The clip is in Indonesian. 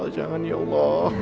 jangan ya allah